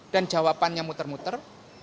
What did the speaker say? dan jawabannya muter muter